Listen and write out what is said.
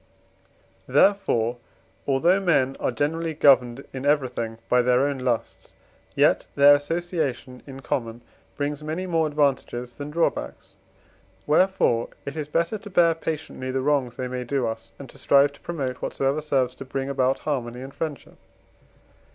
XIV. Therefore, although men are generally governed in everything by their own lusts, yet their association in common brings many more advantages than drawbacks. Wherefore it is better to bear patiently the wrongs they may do us, and to strive to promote whatsoever serves to bring about harmony and friendship.